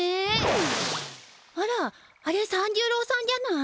あらあれ三十郎さんじゃない？